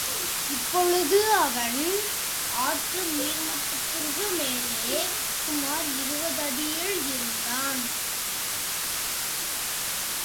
இப்பொழுது அவன் ஆற்று நீர்மட்டத்திற்குமேலே சுமார் இருபது அடியில் இருந்தான்.